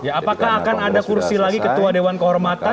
apakah akan ada kursi lagi ketua dewan kehormatan